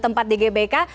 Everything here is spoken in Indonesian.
tempat di gbk